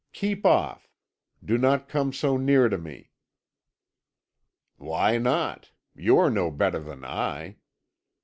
Keep off. Do not come so near to me." "Why not? You are no better than I.